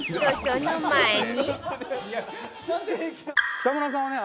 北村さんはね